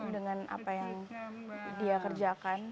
dengan apa yang dia kerjakan